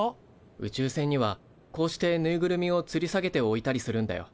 宇宙船にはこうしてぬいぐるみをつり下げておいたりするんだよ。